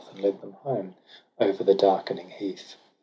And led them home over the darkening heath.